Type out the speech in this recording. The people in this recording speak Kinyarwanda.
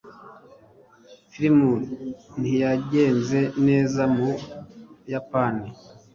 Filime ntiyagenze neza mu Buyapani.